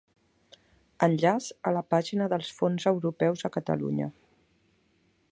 Enllaç a la pàgina dels Fons Europeus a Catalunya.